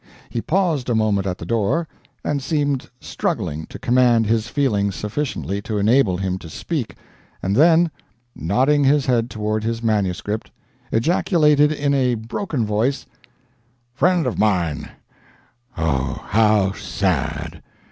He paused a moment at the door, and seemed struggling to command his feelings sufficiently to enable him to speak, and then, nodding his head toward his manuscript, ejaculated in a broken voice, "Friend of mine oh! how sad!"